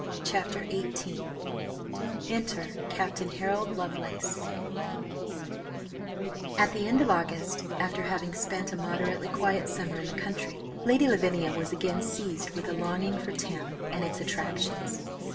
CHAPTER XVIII ENTER CAPTAIN HAROLD LOVELACE AT the end of August, after having spent a moderately quiet summer in the country, Lady Lavinia was again seized with a longing for town and its attractions.